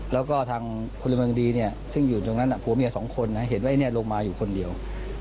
แล้วก็ทางพลเมืองดีเนี่ยซึ่งอยู่ตรงนั้นผัวเมียสองคนเห็นว่าลงมาอยู่คนเดียว